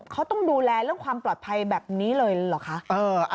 เขาต้องดูแลเรื่องความปลอดภัยแบบนี้เลยเหรอคะ